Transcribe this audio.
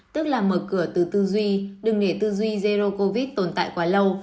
tức là mở cửa từ tư duy đừng để tư duy jero covid tồn tại quá lâu